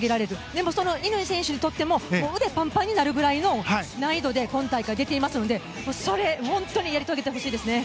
でも、その乾選手にとっても腕がパンパンになるぐらいの難易度で今回出ていますのでやり遂げてほしいですね。